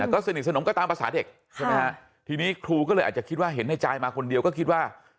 ก็สนิทสนมก็ตามภาษาเด็กใช่ไหมฮะทีนี้ครูก็เลยอาจจะคิดว่าเห็นในใจมาคนเดียวก็คิดว่า